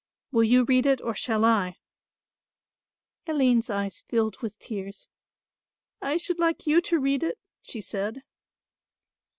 Will you read it or shall I?" Aline's eyes filled with tears, "I should like you to read it," she said.